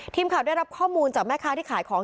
ทีมข่าวได้รับข้อมูลจากแม่ค้าที่ขายของ